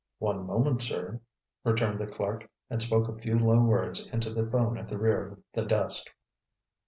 "One moment, sir," returned the clerk and spoke a few low words into the phone at the rear of the desk.